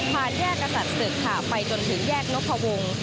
ผ่านแยกกษัตริย์สึกไปจนถึงแยกนกพวง